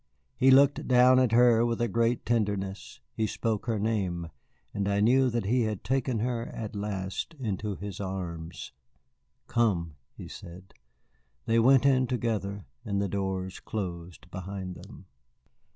He looked down at her with a great tenderness, he spoke her name, and I knew that he had taken her at last into his arms. "Come," he said. They went in together, and the doors closed behind them.